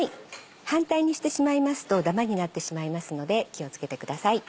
反対にしてしまいますとダマになってしまいますので気を付けてください。